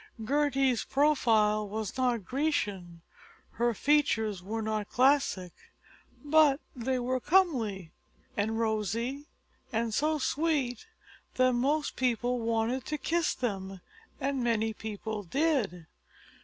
Gertie's profile was not Grecian; her features were not classic but they were comely, and rosy, and so sweet that most people wanted to kiss them, and many people did.